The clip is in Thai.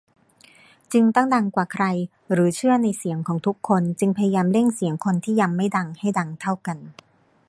จึงต้องดังกว่าใคร หรือเชื่อในเสียงของทุกคน จึงพยายามเร่งเสียงคนที่ยังไม่ดัง ให้ดังเท่ากัน ?